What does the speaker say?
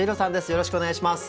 よろしくお願いします。